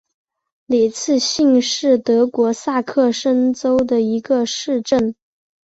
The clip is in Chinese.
里茨兴是德国萨克森州的一个市镇。